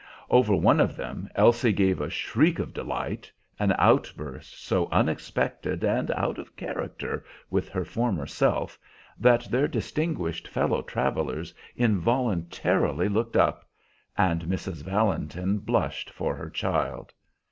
Over one of them Elsie gave a shriek of delight, an outburst so unexpected and out of character with her former self that their distinguished fellow travelers involuntarily looked up, and Mrs. Valentin blushed for her child.